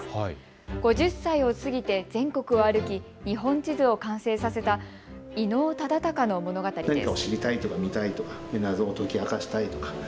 ５０歳を過ぎて全国を歩き、日本地図を完成させた伊能忠敬の物語です。